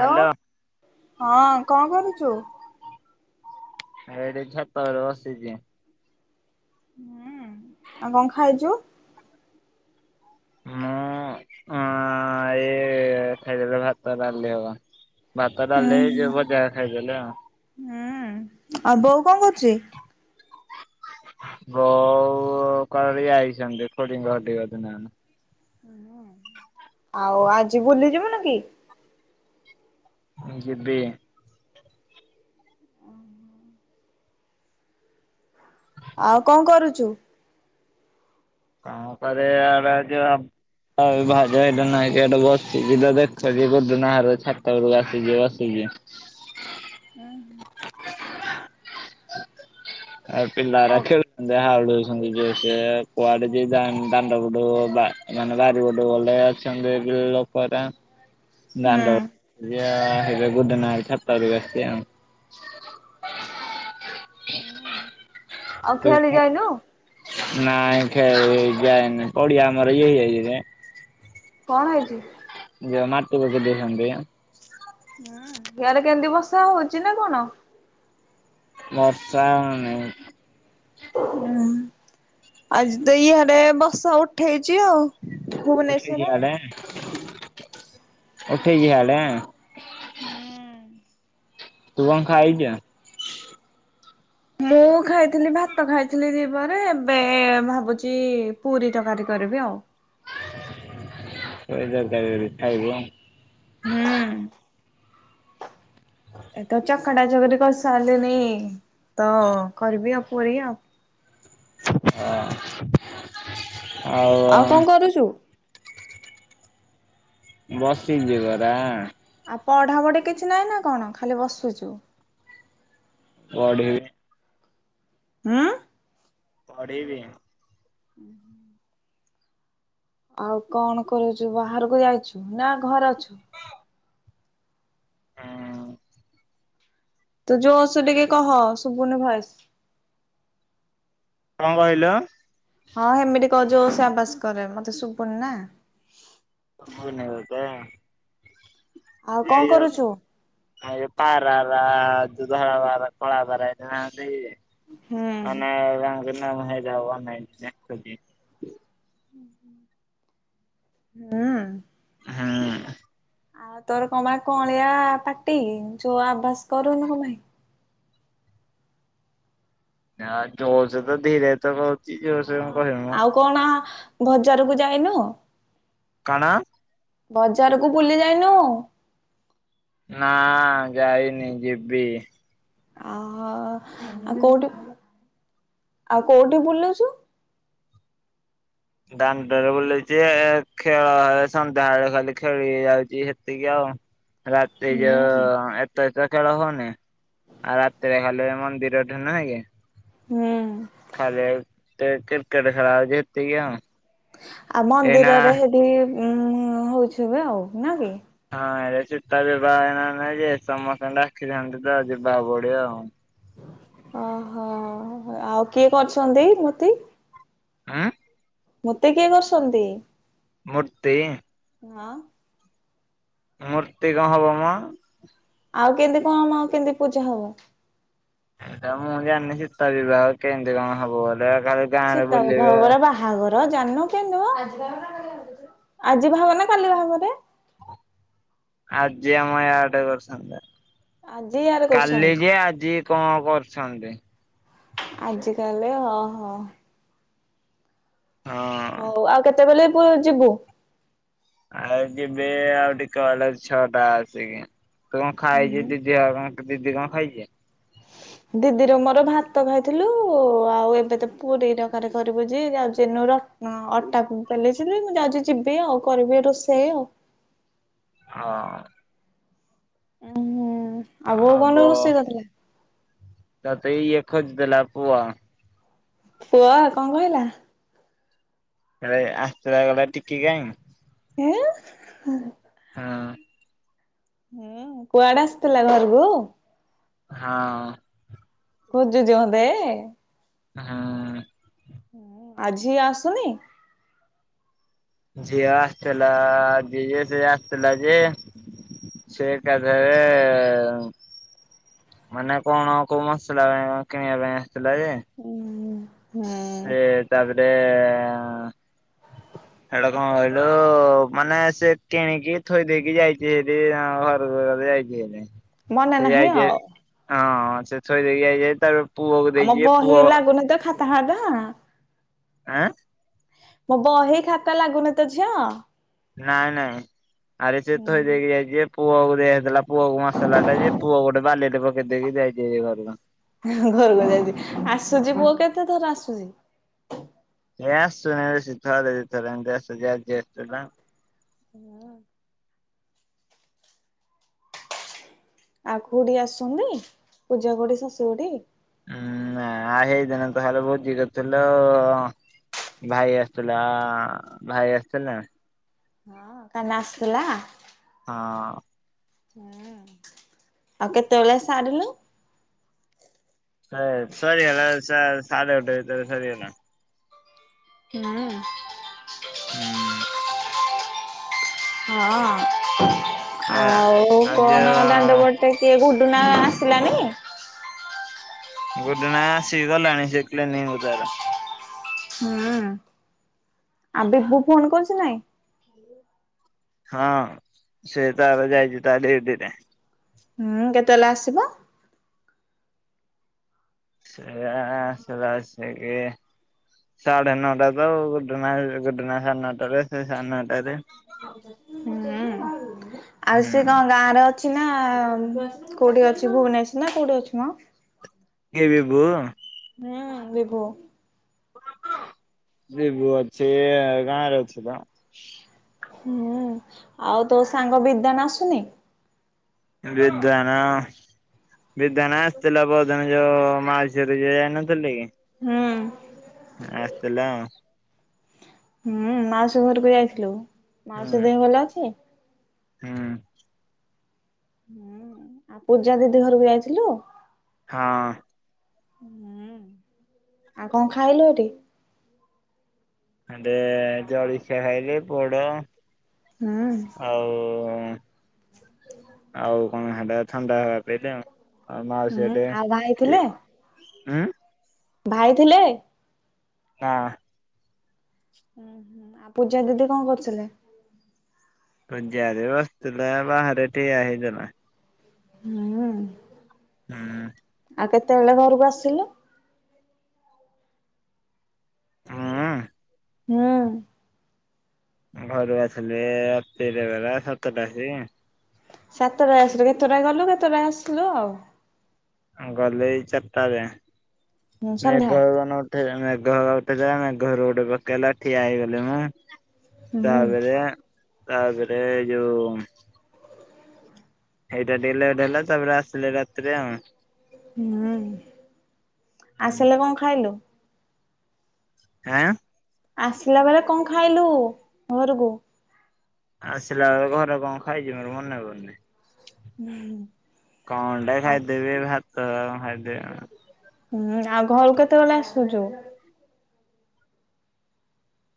Hello ହଁ କଣ କରୁଛୁ? ଏଠି ଛାତ ଉପରେ ବସିଛି। ହୁଁ ଆଉ କଣ ଖାଇଛୁ? ମୁଁ ଆ ଏ ଖାଇଥିଲି ଭାତ ଡାଲି ହେକା। ଭାତ ହୁଁ ଡାଲି ଜୋଉ ଭଜା ଖାଇଥିଲି ଆଉ। ହୁଁ ଆଉ ବୋଉ କଣ କରୁଛି? ବୋଉ କୁଆଡେ ଯାଇଛନ୍ତି ଖୁଡିଙ୍କ ଘର ଠିକି ବୋଧେ ନା କଣ। ଆଉ ଆଜି ବୁଲିଯିବୁନୁ କି? ହୁଁ ଯିବି। ଆଉ କଣ କରୁଛୁ? ମୁଁ କହିଲି ଇଆଡ଼େ ଏଇ ଯୋଉ ଆଉ ଭାଉଜ ଏଇଠେ ନାହିଁ ଯେ ଏଠି ବସିଛିି ତ ଦେଖୁଚି ଗୁଡୁନା ଘର ଛାତ ଉପରକୁ ଆସିଛି ବସି ଆଜ୍ଞା। ହୁଁ ହୁଁ। ଆ ଓ ପିିଲାରା ଖେଳୁ ଯାହା ହୋଉଛନ୍ତି ଯେ ସେ କୁଆଡେ ଜି ଜ ଦା ଦାଣ୍ଡ ପଟୁ ବା ମାନେ ବାରିପଟକୁ ଗଲେ ଆସୁଛନ୍ତି ଏଇ ଯୋଉ ଲୋକରା ହୁଁ ଦାଣ୍ଡ ପଟୁ [unintelligible] ହେଇଥିପାଇଁ ଗୁଡ଼ୁ ନା ଘର ଛାତ ଉପରେ ଆସିଛି ଆଉ। ହଁ। ତ [unintelligible] ନାଇ ଖେଳି ଯାଇନି ପଡିଆ ଆମର ଇଏ ହେଇଯାଇଚି ଯେ। କଣ ହେଇଛି? ଯ ମାଟି ଗୋଟେଇ ଦେଇଛନ୍ତିବବବବବ୍ବଭଃ ବବନନ ହଁ ଇଆଡ଼େ କେମିତି ବର୍ଷା ହଉଚି ନା କଣ? ବର୍ଷା ହେଉନି। ହୁଁ ଆଜି ତ ଇଆଡେ ବର୍ଷା ଉଠେଇଛି ଆଉ। ଉଠେଇ ଭୁବନେଶ୍ଵର ଚି ଆଉ। ଇଆଡେ ଉଠେଇ ଇଆଡେ। ହଁ ତୁ କଣ ଖାଇକି ଆ। ମୁଁ ଖାଇଥିଲି ଭାତ ଖାଇଥିଲି ଦିପହରେ ଏବେ ଭାବୁଛି ପୁରୀ ତରକାରୀ କରିବି ଆଉ। ପୁରୀ ତରକାରୀ କରି ଖାଇବୁ। ହୁଁ ଏଟଚ ଅଟା ଚକଡି କରିସାରିଲିନି ତ କରିବି ଆଉ ପୁରୀ ଆଉ। ହ ହଉ ଆଉ। କରୁଛୁ। ବସିଚି ପରା। ଆଉ ପଢା ପଢି କିଛି ନାଇଁ ନା କଣ? ଖାଲି ବସୁଛୁ। ପଢ଼ିବି। ହୁଁ ପଢିବି। ହୁଁ ହୁ ଆଉ କଣ କରୁଛୁ? ବାହାରକୁ ଯାଇଛୁ ନା ଘରେ ଅଛୁ? ହଁ ତୁ ଜୋରସେ ଟିକେ କହ ଶୁଭୁନି ଭଏସ। କଣ କହିଲ? ହଁ ହେମିତି କ ଯୋର ସେ ଆବାଜ୍ କରେ ମୋତେ ଶୁଭୁନି ନା। ଶୁଭୁନି ତତେ। ଆଉ କଣ ଏଇ ଯୋ କରୁଛୁ? ଏଇ ପାରା ରା ଯୋଉ ଧଳା ପାରା କଳା ପାରା ଏଠି ନାହାନ୍ତି କି? ହୁଁ ମାନେ କାହିଁକି ନା ମୁଁ ହେଇ ଜାଗାକୁ ଅନେଇକି ଦେଖୁଛି। ହୁଁ। ହୁଁ। ଆଉ ତୋର କଣ ବା କଅଳିଆ ପାଟି, ଯୁଆ ଆବାଜ୍ କରୁନୁ କଣ ପାଇଁ। ନା ଜୋରସେ ତ ଧୀରେ ତ ହୋଉଛି ଜୋରସେ କଣ କହିବ ମୋ ଆଉ କଣ ବଜାରକୁ ଯାଇନୁ? କଣ? ବଜାରକୁ ବୁଲି ଯାଇନୁ? ନା ଯାଇନି ଯିବି। ଓହୋ ଆଉ କୋଉଠି ଆଉ କୋଉଠି ବୁଲୁଛୁ? ଦାଣ୍ଡରେ ବୁଲୁଛି ଏ ଖେଳ ସନ୍ଧ୍ୟା ବଳେ ଖାଲି ଖେଳି ଯାଉଛି ସେତିକି ଆଉ। ରାତି ହୁଁ। ଯୋଉ ଏ ତେ ତ ଖେଳ ହଉନି ଆଉ ରାତିରେ ଖାଲି ମନ୍ଦିର ଠୁ ନୁହଁ କି? ହୁଁ। ଖାଲି କ୍ରିକେଟ ଖେଳ ହୋଉଛି ହେତିକି ଆଉ। ଆଉ ଏଇନା ମନ୍ଦିରରେ ହେଠି ଉ ହୋଉଥିବ ଆଉ ନାଇକି? ହଁ ଏରେ ସୀତା ବିିବାହ ନାଇଁ ଯେ ସମସ୍ତେ ଡାକିଥାନ୍ତି ତ ଯିବାକୁ ପଡିବ ଆଉ। ଓହୋ ଆଉ କିଏ କରିଛନ୍ତି ମୋତି? ଉଁ ମୂର୍ତ୍ତି କିଏ କରିଛନ୍ତି? ମୂର୍ତ୍ତି ହଁ। ମୂର୍ତ୍ତି କଣ ହବ ମ? ଆଉ କେମିତି କଣ ଆଉ କେମିତି ପୂଜା ହବ। ଏଟା ମୁଁ ଜାଣିନି ସୀତା ବିବାହ କେମିତି କଣ ହବ ବଲେ ଖାଲି ଗାଁରେ ସୀତା ବିବାହ ବୁଲିବେ। ବୋଲେ ବା ବାହାଘର ଜାନୁ କେମିତି ମ ଆଜି ବାହାଘର ନା କାଲି ବାହାଘରେ? ଆଜି ଆମ ଆଡେ କରିସନ୍ତି, ଆଜି ୟାର କାଲି କରୁଛନ୍ତି କି ଆଜି କଣ କରୁଛନ୍ତି? ଆଜି ତାହେଲେ ଓ ହୋ। ହଁ। ହଉ ଆଉ କେତେବେଲେ ପୁ ଯିବୁ? ଆଉ ଯିବି ଆଉ ଟିକେ ବେଲେ ଛଅ ଟା ଆସିକି ତୁ କଣ ଖାଇଚୁ ହୁଁ। ଦିଦି ଆଉ କଣ। ଦିଦି କଣ ଖାଇଛି? ଦିଦିର ମୋର ଭାତ ଖାଇଥିଲୁ ଆଉ ଏବେ ତ ପୁରୀ ତରକାରୀ କରିବୁ ଯେ ଯାଉଚି ଯେନୁ ର ହଁ ଅଟା ବେଲି ଚିଲି ମୁଁ ଯାଉ ଯିବି ଆଉ କରିବି ରୋଷେଇ ଆଉ। ହଁ। ଉୁଁ ହୁଁ ବୋଉ ଆଉ କଣ ବ, ରୋଷେଇ କରିଥିଲା? ତତେ ଇଏ ଖୋଜୁଥିଲା ପୁଅ। ପୁଅ କଣ କହିଲା? ନାଁଏ ଆସିଥିଲା କହିଲା ଟିକି କାଇଁ? ଏଁ ହେଁ ହଁ। ହୁଁ କୁଆଡେ ଆସିଥିଲା ଘରୁକୁ? ହଁ। ଖୋଜୁଛି ମତେ? ହଁ। ଆଉ ଝିଅ ଆସୁନି? ଝିଅ ଆସିଥିଲା ଝିଅ ସେ ଆସିଥିଲା ଯେ ସେ ଏକାଥରେ ମାନେ କଣ କୋଉ ମସଲା କିଣିବା ପାଇଁ ଆସିଥିଲା ଯେ ହୁଁ ସେ ତାପରେ ସେଇଟା କଣ କହିଲୁ ମାନେ ସେ କିଣିକି ଥୋଇ ଦେଇେଇକି ଯାଇଛି ସେଠି ଜଣ ଘରକୁ ଯାଇଛି। ମନେ ସେ ନାହିଁ ଯାଇଚି, ଆଉ। ହଁ ହଁ ସେ ଥୋଇ ଦେଇକି ଯାଇଛି ତାର ଆମ ବହି ଲାଗୁନି ତ ଖାତା ଖାତା ଆଁ? ମୋ ବହି ଖାତା ଲାଗୁନି ତ ଝିଅ? ନାଇଁ ନାଇଁ। ଆରେ ସେ ଥୋଇ ହୁଁ ଦେଇକି ଯାଇଛି ଯେ ପୁଅକୁ ଦେଇଦେଇଥିଲା ପୁଅକୁ ମସଲା ଟା ଯେ ପୁଅ ଗୋଟେ ବାଲିରେ ପକେଇ ଦେଇକି ଯାଇଛି। ଦେ ଗଲ ଘରକୁ ଯାଇଛି, ଆସୁଛି ପୁଅ କେତେ ଥର ଆସୁଛି? ଏ ଆସୁନି ବେଶି ଥର ଦିଥର ଏମତି ଆସୁଚି। ଆଜି ଆସ ଥିଲା। ହୁଁ। ଆ କୋଉଠିକି ଆସୁଛନ୍ତି? ପୂଜା କୋଠି ଶଶୁ କୋଠି? ହଁ ନାଇଁ ତାର ବାହାଘର ବୁଝିନଥିଲୁ ଆଉ। ଭାଇ ଆସୁଥିଲା ଭାଇ ଆସୁଥିଲା? ହଁ କାହ୍ନା ଆସିଥିଲା? ହଁ। ହୁଁ। ଆଉ କେତେବେଳେ ସାରିଲୁ? ସରିଗଲା। ଶା ଶାଡେ ଗୋଟେ ଭିତରେ ସରିଗଲା। ହୁଁ। ହୁଁ। ହଁ ଆ ଆଉ କଣ ଦାଣ୍ଡବଟେ ତ କିଏ ଗୁଡ଼ୁନା ଆସିଲାଣି? ଗୁଡୁନା ଆସିିଗଲାଣି, ସେ କ୍ଲିନିକ୍ ରୁ ତାର। ହୁଁ। ଆ ବିଭୁ ଫୋନ କରୁଛି ନାଇଁ। [unintelligible] ହଁ ସେ ତାର ଯାଇଛି ତା ଡିଉଟିରେ। ଉଁ କେତେବେଲେ ଆସିବ? ସେ ଆ ଆସିଲା ଆସିକି ସାଢେ ନଅଟା ତ ଆଉ। ଗୁଡୁନା ଗୁଡୁନା ସାଢ଼େ ନଅଟା ରେ ସେ ସାଢେ ନଅଟାରେ। ହୁଁ ଆଉ ସେ ହୁଁ। କଣ ଗାଁରେ ଅଛି ନା, କୋଉଠି ଅଛି ଭୁବନେଶ୍ ନା କୋଉଠି ଅଛି ମଁ? କିଏ ବିିଭୁ? ହଁ ବିଭୁ। ବିଭୁ ଅଛି, ଗାଁରେ ଅଛି ତ। ହୁଁ। ଆଉ ତୋ ସାଙ୍ଗ ବିଦାନ ଆସୁନି। ବିଦାନ ବିଦାନା ଆସିଥିଲା ପରଦିନ ଯୋଉ, ମାଉସୀଘରକୁ ଯଉ ଯାଇନଥିଲି କି। ହଁ। ଆସିଥିଲା ଆଉ। ହୁଁ। ମାଉସୀ ଘରକୁ ଯାଇଥିଲୁ। ମାଉସୀ ଦେହ ଭଲ ଅଛି? ହୁଁ। ହୁଁ। ଆଉ ପୂଜା ଦିଦି ଘରକୁ ଯାଇଥିଲୁ? ହଁ। ହୁଁ। ଆଉ କଣ ଖାଇଲୁ ହେଟି? ହେଣ୍ଡେ ଜଳ ଖିଆ ଖାଇଲି। ପୋଡ଼। ହୁଁ ଆଉ ଆଉ କଣ ହାଣ୍ଡା ଥଣ୍ଡା ପିଇଲି ଆଉ। ଆଉ ମାଉସି ହୁଁ ଆଉ ଭାଇ ଘରଟିକେ, ଥିଲେ ଉଁ? ଭାଇ ଥିଲେ? ନାଁ। ହୁଁ ହୁଁ। ଆଉ ପୂଜା ଦିଦି କଣ କରୁଥିଲେ? ପୂଜା ଦିଦି ବସ୍ତିଥିଲେ। ବାହାରେ ଠିଆ ହେଇଥିଲା। ହୁଁ। ହୁଁ। ଆଉ କେତେବେଳେ ଘରକୁ ଆସିଲୁ? ହୁଁ। ଘରୁ ଆସିଲି ରାତିରେ ପରା ସାତଟା ଆସିକି। ସାତଟା ଆସିଲୁ। କେତେଟା ଗଲୁ କେତେଟା ଆସିଲୁ ଆଉ। ଗଲି ଏଇ ଚାରଟାରେ। ହୁଁ ସନ୍ଧ୍ୟା ମେଘ ଉ ନ ଠେଇଥିଲା, ମେଘ ଉଠେଇଥିଲା, ମେଘ ରୋଡରେ ପକେଇଲା ଠିଆ ହେଇଗଲି ମୁଁ। ହୁଁ ତାପରେ ତାପରେ ଯୋଉ ଏଇଟା ଡେ ଲେଟ୍ ହେଲା ତାପରେ ଆସିଲେ ରାତିରେ ଆଉ। ହୁଁ ଆସିଲେ କଣ ଖାଇଲୁ? ଆଁ ଆସିଲା ବେଳେ କଣ ଖାଇଲୁ? ଘରକୁ ଆସିଲା ବେଳେ ଘରେ କଣ ଖାଇଛି ମୋର ମନେପଡୁନି। ହୁଁ। କ ଅଣ୍ଡା ଖାଇଦେବି ଭାତ ଖାଇଦେ ହୁଁ ଆଉ ଘରକୁ କେତେବେଳେ ଆସୁଛୁ?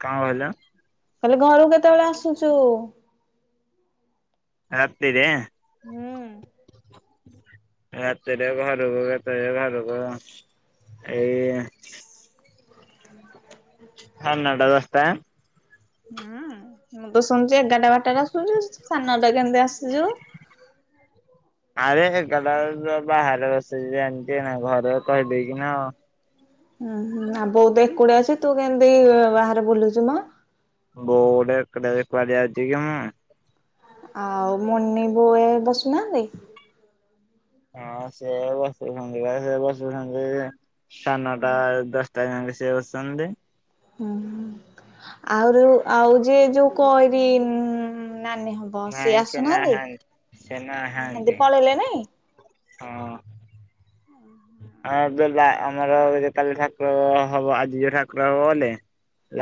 କାଁ ବୋଇଲ? କହିଲେ ଘରକୁ କେତେବେଳେ ଆସୁଛୁ? ରାତିରେ ହୁଁ ରାତିରେ ଘରକୁ କେତରେ ଘରକୁ ଏଇ ସାଢ଼େ ନଅଟା ଦଶଟା ହୁଁ ମୁଁ ତ ଶୁଣୁଛି ଏଗାରଟା ବାରଟାରେ ଆସୁଛୁ ସାଢେ ନଅଟା କେମିତି ଆସିଯୁ? ଆରେ ଏଗାରଟା ବେଳକୁ ବା ବାହାରେ ବସିଯାନ୍ତି ନା ଘରେ କହିଦେଇକି ନାଉ। ହୁଁ ହୁଁ ଆଉ ବୋଉ ତ ଏକୁଟିଆ ଅଛି ତୁ କେମିତି ବାହାରେ ବୁଲୁଚୁ ମ ବୋର୍ଡ [unintelligible] ଅଛି କି ମୁଁ? ଆଉ ମୋନି ବୋଉ ଏ ବସୁନାହାନ୍ତି? ହଁ ସେ ବସୁଛନ୍ତି ବା ସେ ବସୁଛନ୍ତି ସାଢେ ନଅଟା ଦଶ ତା ସଙ୍ଗେ ସେ ଅଛନ୍ତି। ହୁଁ ହୁଁ ଆହୁରି ଆଉ ଯେ ଯୋଉ କଣ କି ନାନୀ ସିଏ ନାଇଁ ସେ ଆସୁନାହାନ୍ତି ନାହାନ୍ତି ସେ ନାହାନ୍ତି। ପଳେଇଲେ ନାଇଁ ହଁ। ହଁ ଯୋଉ ଯା ଆମର କାଲି ଠାକୁର ହବ ଆଜି ଯୋଉ ଠାକୁର ଗଲେ।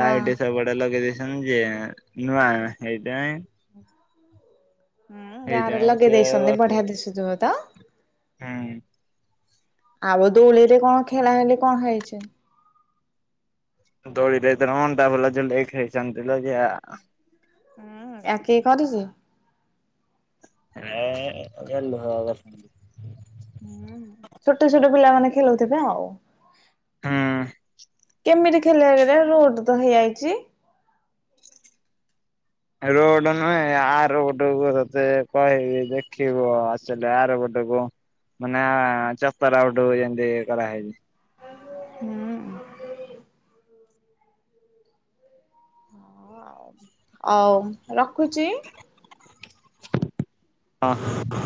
ହଁ। ସବୁଆଡେ ଲଗେଇ ଦେଇଛନ୍ତି ଯେ ନୂଆ ହେଇଟାଇ ହୁଁ ଗାଁରେ ହେଇଥିପାଇଁ ଲଗେଇ ସେ ଦେଇଛନ୍ତି ବସୁ ବଢିଆ ଦିଶୁଥିବ ତ? ହୁଁ। ଆବ ଦୋଳି ଲେଟ୍ କଣ ଖେଳା ହେଲେ କଣ ହେଇଛି। ଦୋଳିରେ ତ କଣ ଅଣ୍ଟା ଭଲା ଝୁଲେଇ ଖେଳିଛନ୍ତି ଲୋ ଝିଅ। ହୁଁ ଆ କିଏ କରିଛି? ଏ ଏଇଟା [unintelligible] ଛୋଟ ଛୋଟ ପିଲାମାନେ ଖେଳୁଥିବେ ଆଉ। ହୁଁ। ଏମିତି ଖେଳରେ ରୋଡ ତ ହେଇଯାଇଛି। ରୋଡ ନୁହେଁ ଆର ରୋଡ ତତେ କହିବି ଦେଖିବ ଆସିଲେ ଆର ପଟକୁ। ମାନେ ଚପା ରାଉଟ୍ ଯେମିତି କରାହେଇଛି। ହୁଁ ଅଉ ରଖୁଛି ହଁ।